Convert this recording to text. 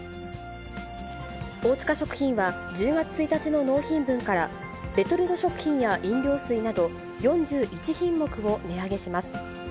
大塚食品は、１０月１日の納品分から、レトルト食品や飲料水など、４１品目を値上げします。